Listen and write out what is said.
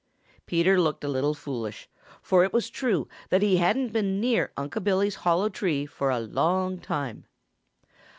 Peter looked a little foolish, for it was true that he hadn't been near Unc' Billy's hollow tree for a long time.